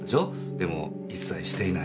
でも一切していない。